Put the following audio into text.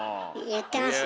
言ってます。